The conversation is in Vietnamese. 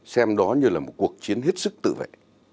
xem đó như là một cuộc chiến hết sức tự vệ